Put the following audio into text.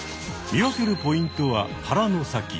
見分けるポイントはハラの先。